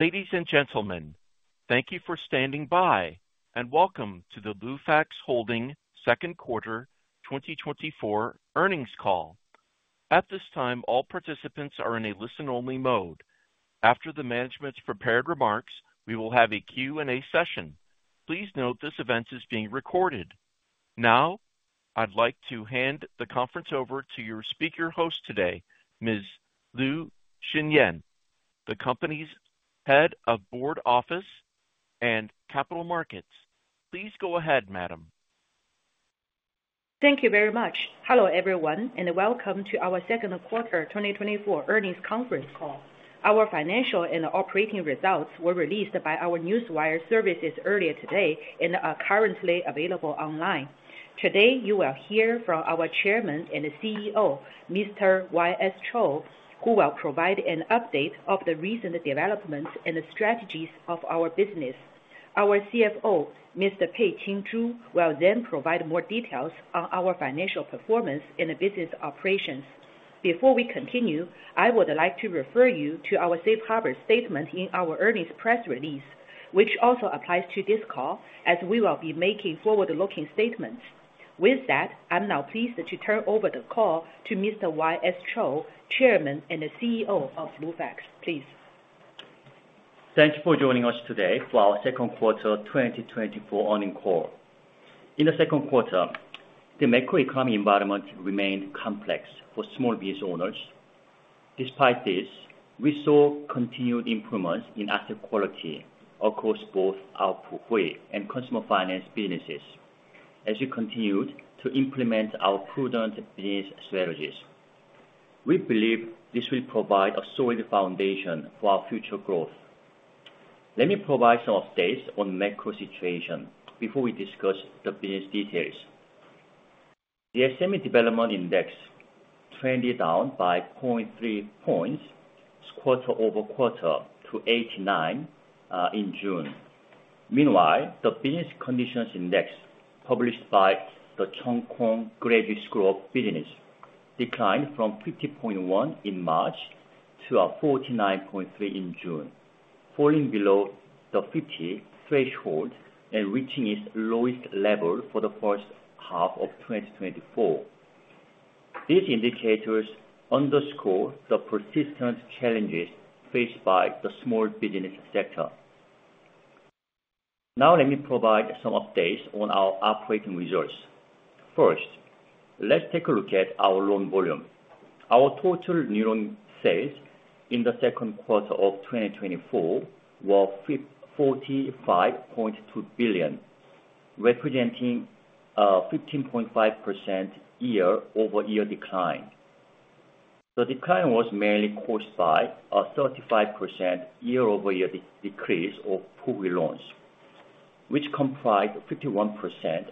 Ladies and gentlemen, thank you for standing by, and welcome to the Lufax Holding second quarter twenty twenty-four earnings call. At this time, all participants are in a listen-only mode. After the management's prepared remarks, we will have a Q&A session. Please note this event is being recorded. Now, I'd like to hand the conference over to your speaker host today, Ms. Xinyan Liu, the company's Head of Board Office and Capital Markets. Please go ahead, madam. Thank you very much. Hello, everyone, and welcome to our second quarter 2024 earnings conference call. Our financial and operating results were released by our newswire services earlier today and are currently available online. Today, you will hear from our Chairman and CEO, Mr. YS Cho, who will provide an update of the recent developments and the strategies of our business. Our CFO, Mr. Peiqing Zhu, will then provide more details on our financial performance and the business operations. Before we continue, I would like to refer you to our safe harbor statement in our earnings press release, which also applies to this call, as we will be making forward-looking statements. With that, I'm now pleased to turn over the call to Mr. YS Cho, Chairman and CEO of Lufax. Please. Thank you for joining us today for our second quarter 2024 earnings call. In the second quarter, the macroeconomy environment remained complex for small business owners. Despite this, we saw continued improvements in asset quality across both our Puhui and consumer finance businesses as we continued to implement our prudent business strategies. We believe this will provide a solid foundation for our future growth. Let me provide some updates on macro situation before we discuss the business details. The SME Development Index traded down by 0.3 points, quarter over quarter to 89 in June. Meanwhile, the Business Conditions Index, published by the Cheung Kong Graduate School of Business, declined from 50.1 in March to 49.3 in June, falling below the 50 threshold and reaching its lowest level for the first half of 2024. These indicators underscore the persistent challenges faced by the small business sector. Now, let me provide some updates on our operating results. First, let's take a look at our loan volume. Our total new loan sales in the second quarter of 2024 were 45.2 billion, representing 15.5% year-over-year decline. The decline was mainly caused by a 35% year-over-year decrease of Puhui loans, which comprised 51%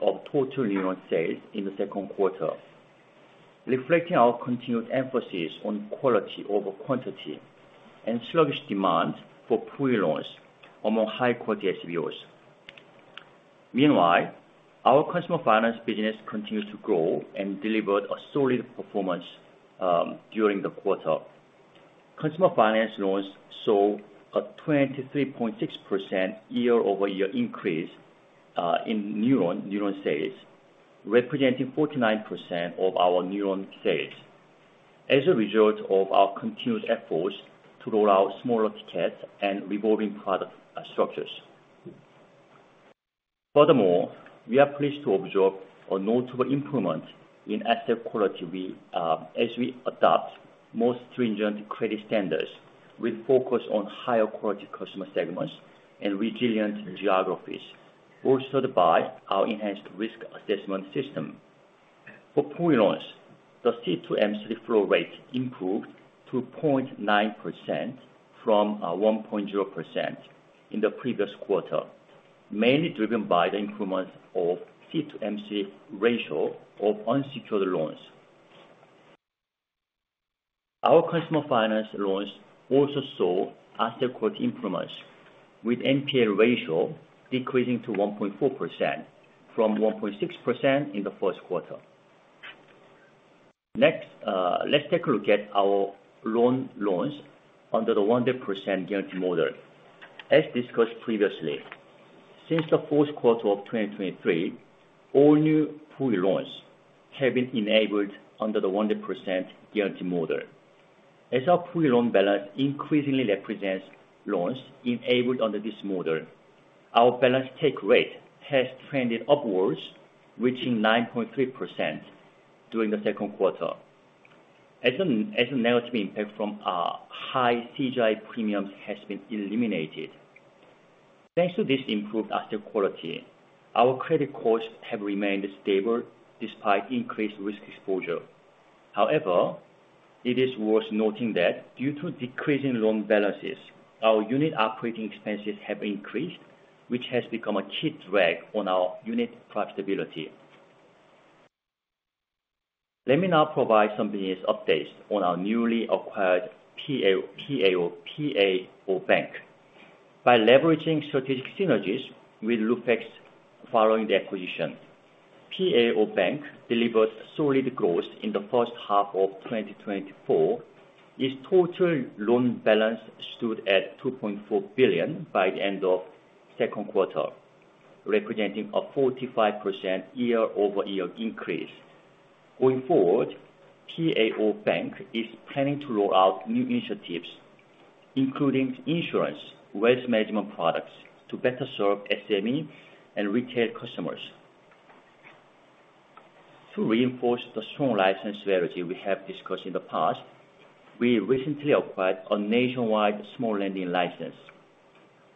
of total new loan sales in the second quarter, reflecting our continued emphasis on quality over quantity, and sluggish demand for Puhui loans among high-quality SBOs. Meanwhile, our consumer finance business continued to grow and delivered a solid performance during the quarter. Consumer finance loans saw a 23.6% year-over-year increase in new loan sales, representing 49% of our new loan sales. As a result of our continued efforts to roll out smaller tickets and revolving product, structures. Furthermore, we are pleased to observe a notable improvement in asset quality as we adopt more stringent credit standards, with focus on higher quality customer segments and resilient geographies, bolstered by our enhanced risk assessment system. For Puhui loans, the flow rate default rate improved to 0.9% from 1.0% in the previous quarter, mainly driven by the improvement of flow rate ratio of unsecured loans. Our consumer finance loans also saw asset quality improvements, with NPL ratio decreasing to 1.4% from 1.6% in the first quarter. Next, let's take a look at our loans under the 100% guarantee model. As discussed previously, since the fourth quarter of twenty twenty-three, all new Puhui loans have been enabled under the 100% guarantee model. As our Puhui loan balance increasingly represents loans enabled under this model, our balance take rate has trended upwards, reaching 9.3% during the second quarter. As a negative impact from our high CGI premiums has been eliminated. Thanks to this improved asset quality, our credit costs have remained stable despite increased risk exposure. However, it is worth noting that due to decreasing loan balances, our unit operating expenses have increased, which has become a key drag on our unit profitability. Let me now provide some business updates on our newly acquired PAOB. By leveraging strategic synergies with Lufax following the acquisition, PAOB delivered solid growth in the first half of twenty twenty-four. Its total loan balance stood at RMB 2.4 billion by the end of second quarter, representing a 45% year-over-year increase. Going forward, PAOB is planning to roll out new initiatives, including insurance, wealth management products, to better serve SME and retail customers. To reinforce the strong license strategy we have discussed in the past, we recently acquired a nationwide small lending license.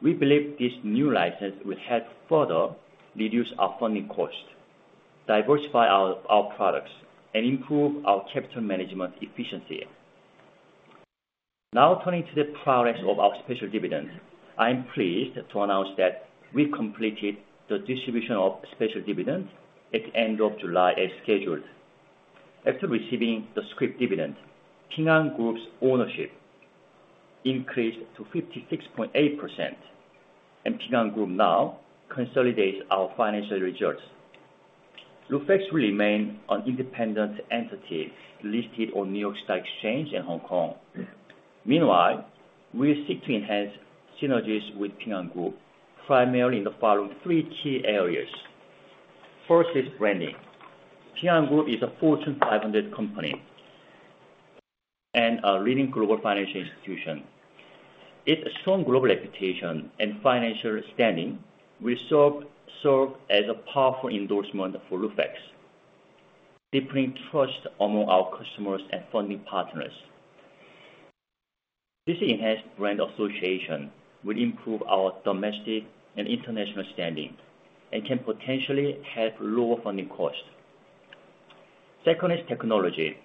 We believe this new license will help further reduce our funding cost, diversify our products, and improve our capital management efficiency. Now, turning to the progress of our special dividend, I am pleased to announce that we completed the distribution of special dividends at the end of July, as scheduled. After receiving the scrip dividend, Ping An Group's ownership increased to 56.8%, and Ping An Group now consolidates our financial results. Lufax will remain an independent entity listed on New York Stock Exchange in Hong Kong. Meanwhile, we seek to enhance synergies with Ping An Group, primarily in the following three key areas. First is branding. Ping An Group is a Fortune 500 company and a leading global financial institution. Its strong global reputation and financial standing will serve as a powerful endorsement for Lufax, deepening trust among our customers and funding partners. This enhanced brand association will improve our domestic and international standing, and can potentially help lower funding costs. Second is technology.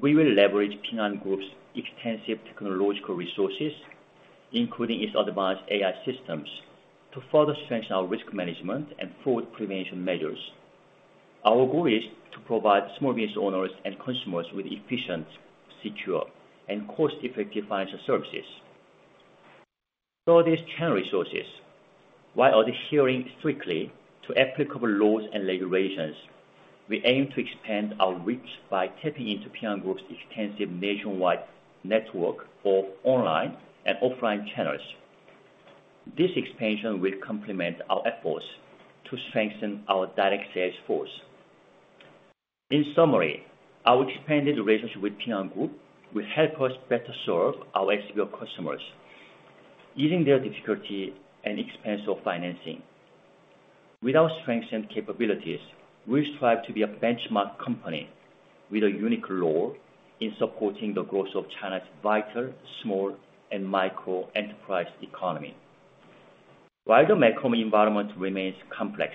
We will leverage Ping An Group's extensive technological resources, including its advanced AI systems, to further strengthen our risk management and fraud prevention measures. Our goal is to provide small business owners and consumers with efficient, secure, and cost-effective financial services. So are these channel resources. While adhering strictly to applicable laws and regulations, we aim to expand our reach by tapping into Ping An Group's extensive nationwide network for online and offline channels. This expansion will complement our efforts to strengthen our direct sales force. In summary, our expanded relationship with Ping An Group will help us better serve our SBO customers, easing their difficulty and expense of financing. With our strengths and capabilities, we strive to be a benchmark company with a unique role in supporting the growth of China's vital, small and micro-enterprise economy. While the macro environment remains complex,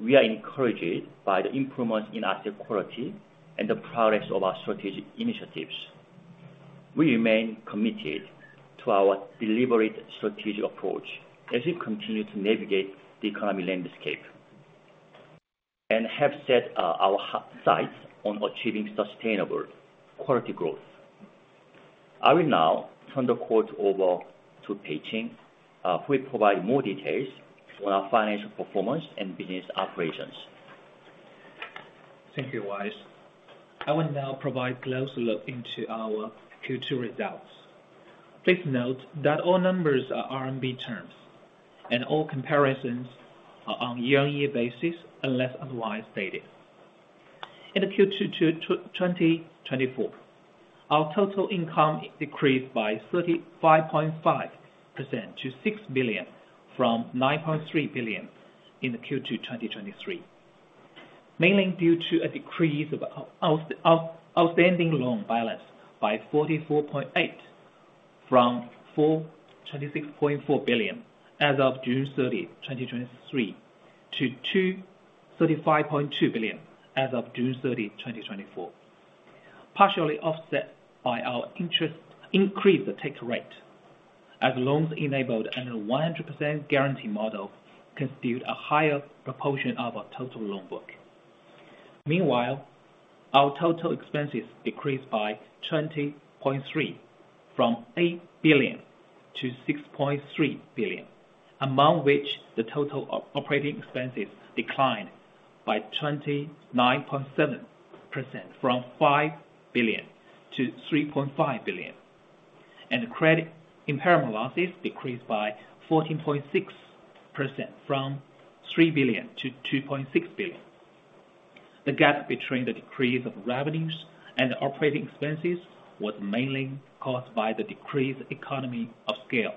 we are encouraged by the improvements in asset quality and the progress of our strategic initiatives. We remain committed to our deliberate strategic approach as we continue to navigate the economic landscape, and have set our sights on achieving sustainable quality growth. I will now turn the call over to Peiqing, who will provide more details on our financial performance and business operations. Thank you, YS. I will now provide closer look into our Q2 results. Please note that all numbers are RMB terms, and all comparisons are on year-on-year basis, unless otherwise stated. In the Q2 2024, our total income decreased by 35.5% to 6 billion, from 9.3 billion in the Q2 2023. Mainly due to a decrease of outstanding loan balance by 44.8%, from 426.4 billion as of June 30, 2023, to 235.2 billion, as of June 30, 2024. Partially offset by our interest, increased the take rate, as loans enabled under 100% guarantee model, constituted a higher proportion of our total loan book. Meanwhile, our total expenses decreased by 20.3%, from 8 billion to 6.3 billion, among which the total operating expenses declined by 29.7%, from 5 billion to 3.5 billion, and credit impairment losses decreased by 14.6%, from 3 billion to 2.6 billion. The gap between the decrease of revenues and operating expenses was mainly caused by the decreased economy of scale,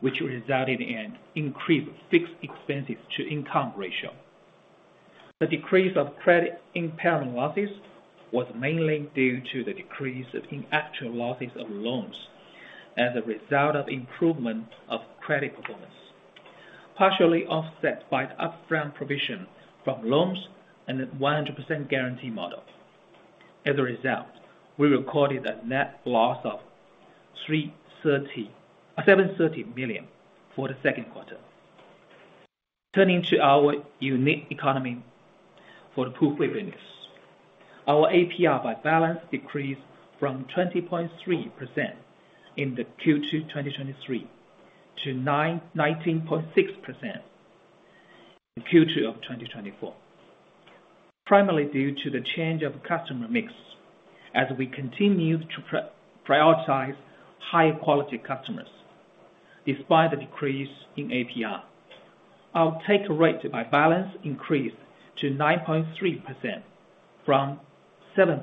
which resulted in increased fixed expenses to income ratio. The decrease of credit impairment losses was mainly due to the decrease in actual losses of loans as a result of improvement of credit performance, partially offset by the upfront provision from loans and a 100% guarantee model. As a result, we recorded a net loss of 730 million for the second quarter. Turning to our unique ecosystem for the Puhui preparedness. Our APR by balance decreased from 20.3% in Q2 2023 to 19.6% in Q2 2024. Primarily due to the change of customer mix, as we continue to prioritize higher quality customers. Despite the decrease in APR, our take rate by balance increased to 9.3% from 7%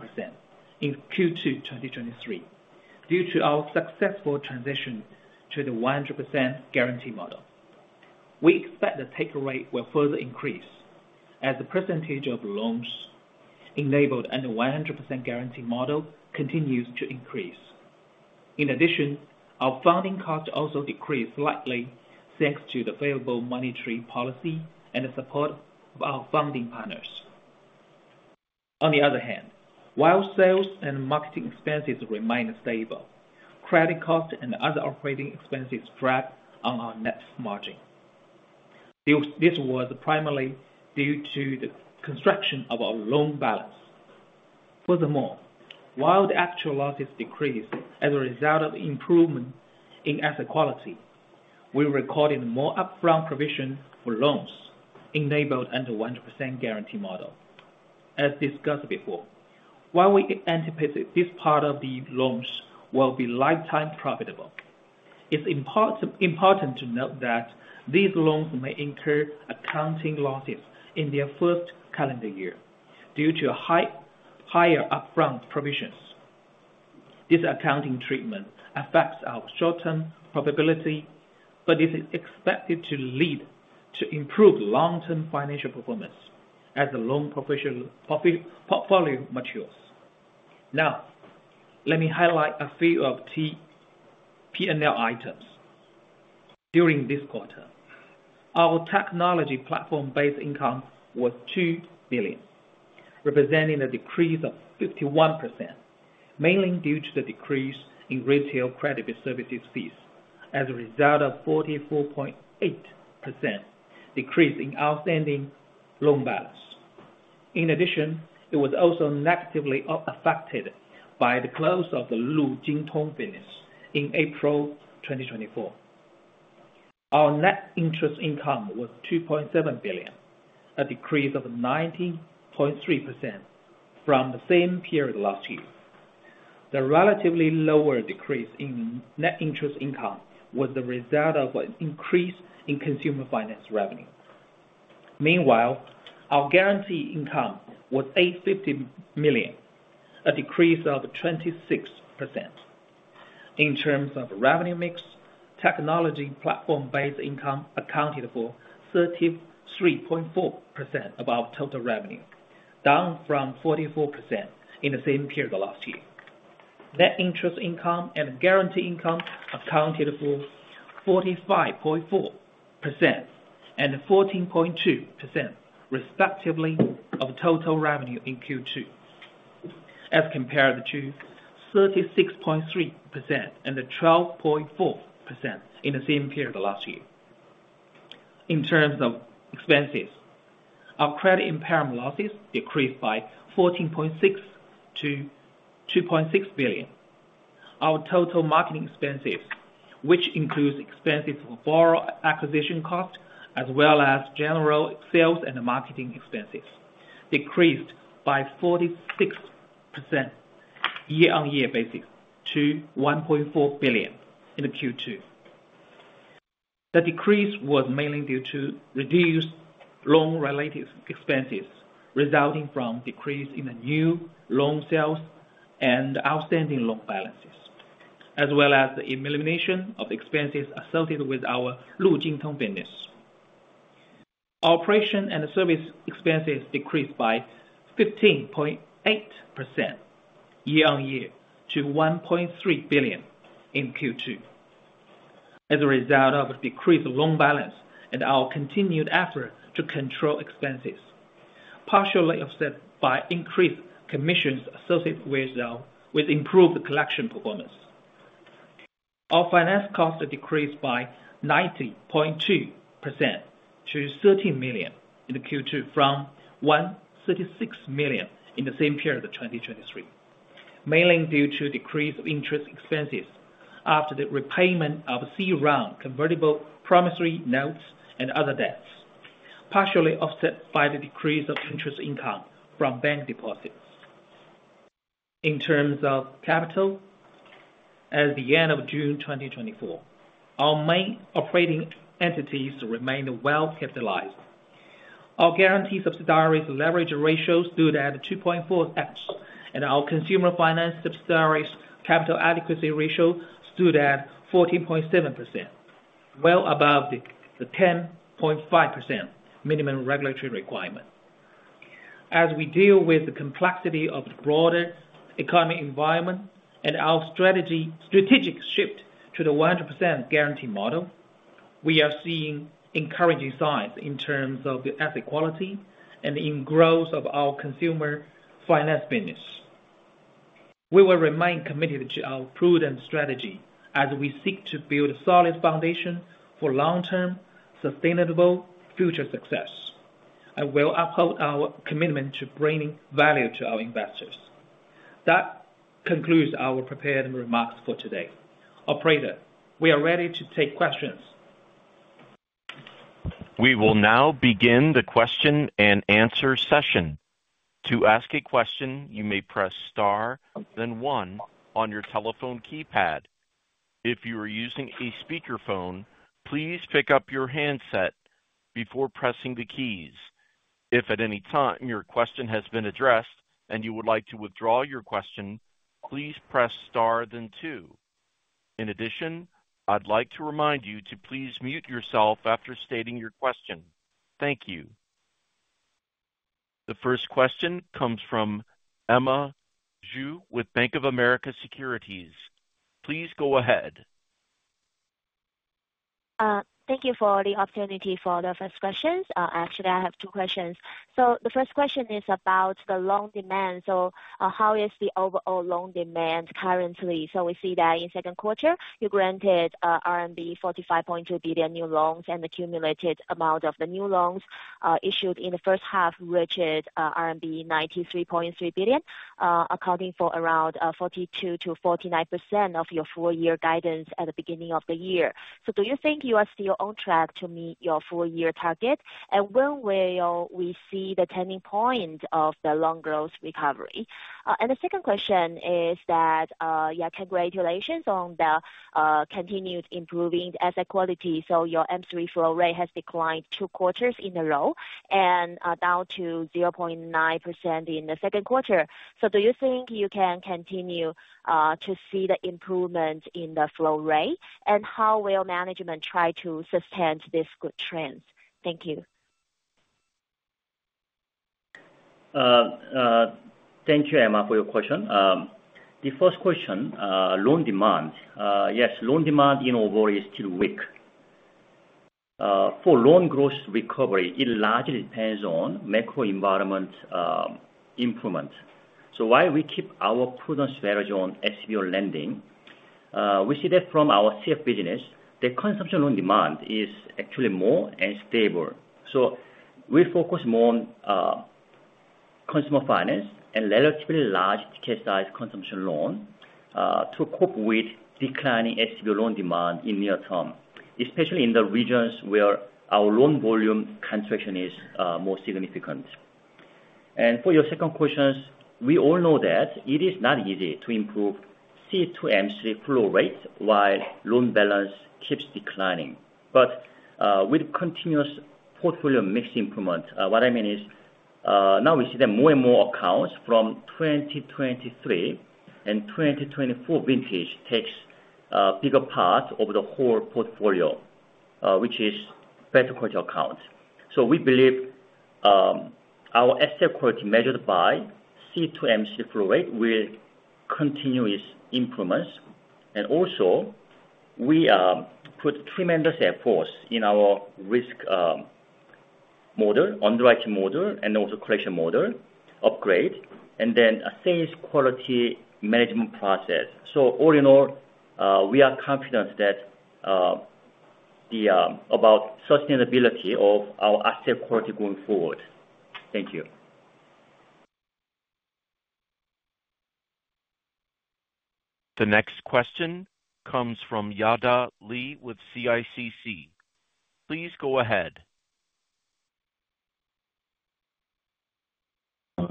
in Q2 2023, due to our successful transition to the 100% guarantee model. We expect the take rate will further increase as the percentage of loans enabled under the 100% guarantee model continues to increase. In addition, our funding cost also decreased slightly, thanks to the favorable monetary policy and the support of our funding partners. On the other hand, while sales and marketing expenses remained stable, credit costs and other operating expenses dragged on our net margin. This was primarily due to the construction of our loan balance. Furthermore, while the actual losses decreased as a result of improvement in asset quality, we recorded more upfront provision for loans enabled under the 100% guarantee model. As discussed before, while we anticipate this part of the loans will be lifetime profitable, it's important to note that these loans may incur accounting losses in their first calendar year due to higher upfront provisions. This accounting treatment affects our short-term profitability, but it is expected to lead to improved long-term financial performance as the loan portfolio matures. Now, let me highlight a few key P&L items. During this quarter, our technology platform-based income was 2 billion, representing a decrease of 51%, mainly due to the decrease in retail credit services fees as a result of 44.8% decrease in outstanding loan balance. In addition, it was also negatively affected by the close of the Lujingtong business in April 2024. Our net interest income was 2.7 billion, a decrease of 19.3% from the same period last year. The relatively lower decrease in net interest income was the result of an increase in consumer finance revenue. Meanwhile, our guarantee income was 850 million, a decrease of 26%. In terms of revenue mix, technology platform-based income accounted for 33.4% of our total revenue, down from 44% in the same period last year. Net interest income and guarantee income accounted for 45.4% and 14.2%, respectively, of total revenue in Q2, as compared to 36.3% and a 12.4% in the same period last year. In terms of expenses, our credit impairment losses decreased by 14.6% to 2.6 billion. Our total marketing expenses, which includes expenses for borrower acquisition cost, as well as general sales and marketing expenses, decreased by 46% year-on-year basis to 1.4 billion in the Q2. The decrease was mainly due to reduced loan-related expenses, resulting from decrease in the new loan sales and outstanding loan balances, as well as the elimination of expenses associated with our Lujingtong business. Our operation and service expenses decreased by 15.8% year-on-year to 1.3 billion in Q2, as a result of a decreased loan balance and our continued effort to control expenses, partially offset by increased commissions associated with improved collection performance. Our finance costs decreased by 90.2% to 13 million in the Q2, from 136 million in the same period of 2023, mainly due to a decrease of interest expenses after the repayment of C round convertible promissory notes and other debts, partially offset by the decrease of interest income from bank deposits. In terms of capital, at the end of June 2024, our main operating entities remained well capitalized. Our guarantee subsidiary's leverage ratio stood at 2.4x, and our consumer finance subsidiary's capital adequacy ratio stood at 14.7%, well above the 10.5% minimum regulatory requirement. As we deal with the complexity of the broader economic environment and our strategic shift to the 100% guarantee model, we are seeing encouraging signs in terms of the asset quality and in growth of our consumer finance business. ...We will remain committed to our prudent strategy as we seek to build a solid foundation for long-term, sustainable future success, and we'll uphold our commitment to bringing value to our investors. That concludes our prepared remarks for today. Operator, we are ready to take questions. We will now begin the question and answer session. To ask a question, you may press star, then one on your telephone keypad. If you are using a speakerphone, please pick up your handset before pressing the keys. If at any time your question has been addressed and you would like to withdraw your question, please press star, then two. In addition, I'd like to remind you to please mute yourself after stating your question. Thank you. The first question comes from Emma Xu with Bank of America Securities. Please go ahead. Thank you for the opportunity for the first questions. Actually, I have two questions. So the first question is about the loan demand. So, how is the overall loan demand currently? So we see that in second quarter, you granted RMB 45.2 billion new loans, and accumulated amount of the new loans issued in the first half, which is RMB 93.3 billion, accounting for around 42%-49% of your full year guidance at the beginning of the year. So do you think you are still on track to meet your full year target? And when will we see the turning point of the loan growth recovery? And the second question is that, yeah, congratulations on the continued improving asset quality. Your M3 flow rate has declined two quarters in a row, and down to 0.9% in the second quarter. Do you think you can continue to see the improvement in the flow rate? And how will management try to sustain these good trends? Thank you. Thank you, Emma, for your question. The first question, loan demand. Yes, loan demand in overall is still weak. For loan growth recovery, it largely depends on macro environment improvement. So while we keep our prudent strategy on SBO lending, we see that from our CF business, the consumption loan demand is actually more stable. So we focus more on consumer finance and relatively large ticket size consumption loan to cope with declining SBO loan demand in near term, especially in the regions where our loan volume contribution is more significant. And for your second question, we all know that it is not easy to improve C-M3 flow rate while loan balance keeps declining. But with continuous portfolio mix improvement, what I mean is, now we see that more and more accounts from 2023 and 2024 vintage takes a bigger part of the whole portfolio, which is better quality account. So we believe our asset quality, measured by flow rate, will continue its improvements. And also, we put tremendous effort in our risk model, underwriting model, and also collection model upgrade, and then a sales quality management process. So all in all, we are confident that the about sustainability of our asset quality going forward. Thank you. The next question comes from Yada Li with CICC. Please go ahead.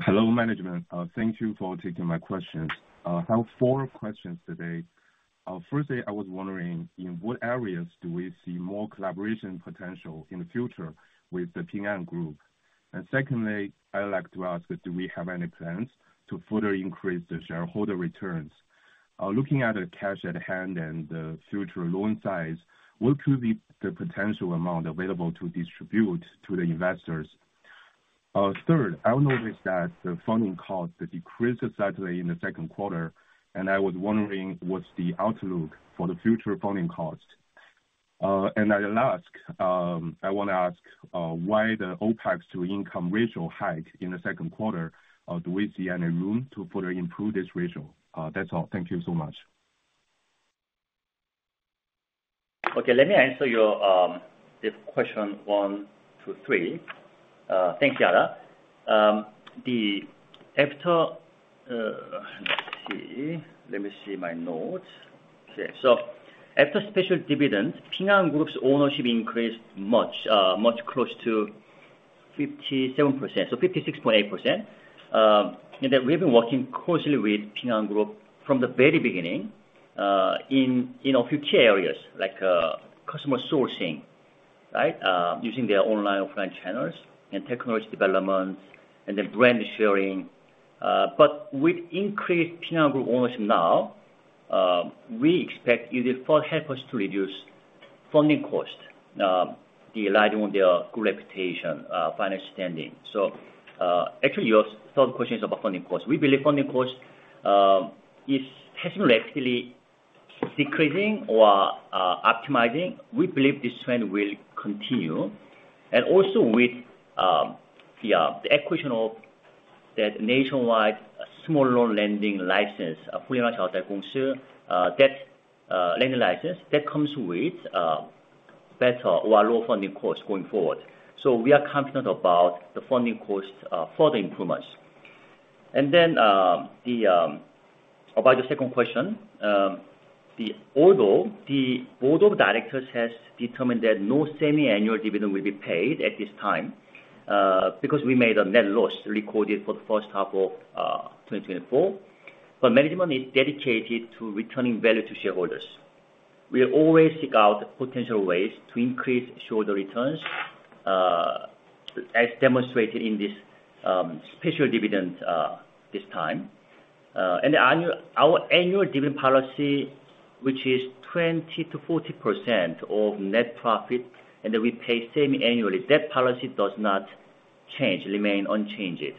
Hello, management. Thank you for taking my questions. I have four questions today. Firstly, I was wondering, in what areas do we see more collaboration potential in the future with the Ping An Group? And secondly, I'd like to ask, do we have any plans to further increase the shareholder returns? Looking at the cash at hand and the future loan size, what will be the potential amount available to distribute to the investors? Third, I noticed that the funding cost decreased slightly in the second quarter, and I was wondering, what's the outlook for the future funding cost? And at last, I wanna ask, why the OpEx to income ratio hike in the second quarter. Do we see any room to further improve this ratio? That's all. Thank you so much. Okay, let me answer your, the question one to three. Thanks, Yada. Let's see. Let me see my notes. Okay. So after special dividend, Ping An Group's ownership increased much closer to 57%, so 56.8%. And then we've been working closely with Ping An Group from the very beginning, in a few key areas, like customer sourcing, right? Using their online, offline channels and technology development and then brand sharing. But with increased Ping An Group ownership now, we expect it will first help us to reduce funding costs, relying on their good reputation, financial standing. So actually, your third question is about funding costs. We believe funding costs has been relatively decreasing or optimizing, we believe this trend will continue. And also with the acquisition of that nationwide small loan lending license, that lending license, that comes with better or lower funding cost going forward. So we are confident about the funding costs further improvements. And then about the second question, although the board of directors has determined that no semi-annual dividend will be paid at this time, because we made a net loss recorded for the first half of twenty twenty-four. But management is dedicated to returning value to shareholders. We always seek out potential ways to increase shareholder returns, as demonstrated in this special dividend this time. And our annual dividend policy, which is 20%-40% of net profit, and then we pay semi-annually. That policy does not change, remain unchanged.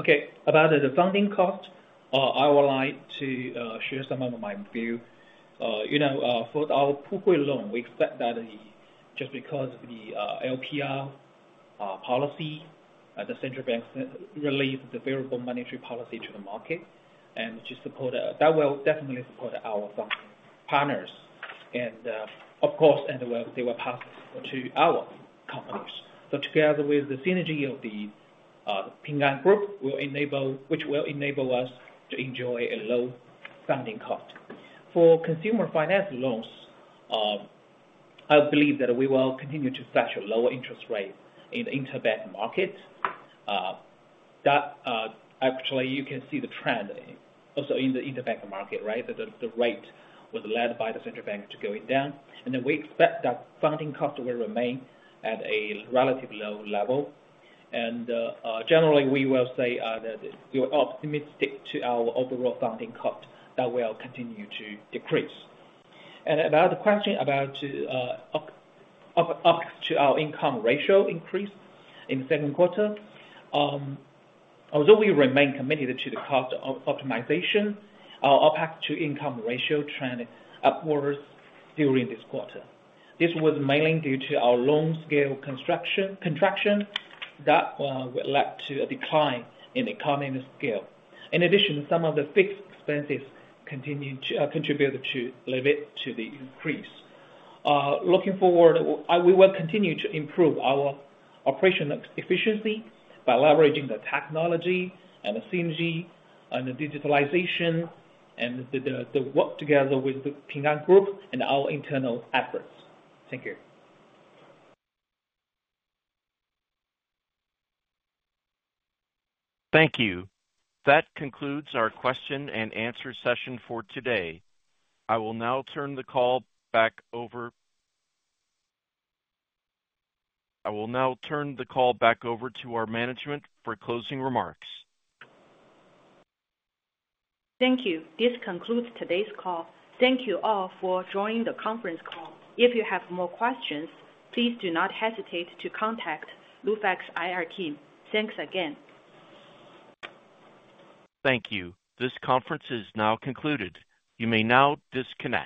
Okay, about the funding cost, I would like to share some of my view. You know, for our Puhui loan, we expect that just because the LPR policy the central bank release the variable monetary policy to the market, and which is support that will definitely support our funding partners. And, of course, well, they will pass to our partners. So together with the synergy of the Ping An Group, will enable us to enjoy a low funding cost. For consumer finance loans, I believe that we will continue to fetch a lower interest rate in the interbank market. That actually, you can see the trend also in the interbank market, right? That the rate was led by the central bank to going down, and then we expect that funding cost will remain at a relatively low level. Generally, we will say that we are optimistic to our overall funding cost, that will continue to decrease. About the question about OPEX to our income ratio increase in the second quarter. Although we remain committed to the cost optimization, our OPEX to income ratio trend upwards during this quarter. This was mainly due to our loan scale contraction that led to a decline in economies of scale. In addition, some of the fixed expenses continued to contribute to limiting the increase. Looking forward, we will continue to improve our operational efficiency by leveraging the technology and the synergy and the digitalization, and the work together with the Ping An Group and our internal efforts. Thank you. Thank you. That concludes our question and answer session for today. I will now turn the call back over to our management for closing remarks. Thank you. This concludes today's call. Thank you all for joining the conference call. If you have more questions, please do not hesitate to contact Lufax IR team. Thanks again. Thank you. This conference is now concluded. You may now disconnect.